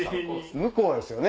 向こうですよね。